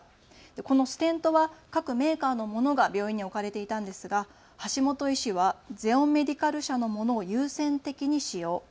このステントは各メーカーのものが病院に置かれていたんですが橋本医師はゼオンメディカル社のものを優先的に使用。